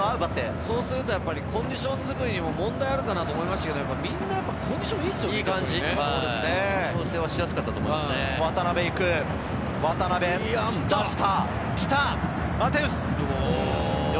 コンディション作りにも問題があるかと思いましたが、みんなコンディションいいですよ